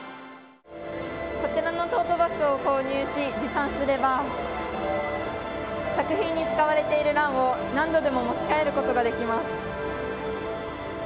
こちらのトートバッグを購入し持参すれば作品に使われているランを何度でも持ち帰ることができます。